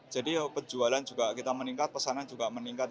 jadi penjualan juga kita meningkat pesanan juga meningkat ya